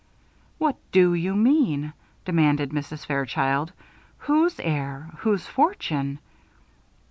"What do you mean?" demanded Mrs. Fairchild. "Whose heir? Whose fortune?"